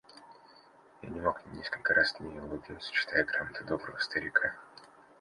Я не мог несколько раз не улыбнуться, читая грамоту доброго старика.